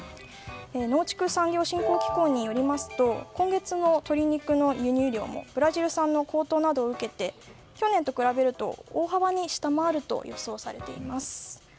農畜産業振興機構によりますと今月の鶏肉の輸入量もブラジル産の高騰を受けて去年と比べると大幅に下回ると予想されています。